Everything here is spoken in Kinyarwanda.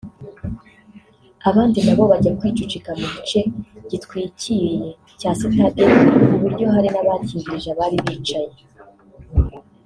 abandi na bo bajya kwicucika mu gice gitwikiriye cya sitade ku buryo hari n’abakingirije abari bicaye